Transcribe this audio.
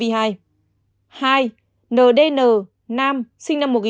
hai ndnh nữ sinh năm một nghìn chín trăm bảy mươi bốn địa chỉ nhân chính thanh xuân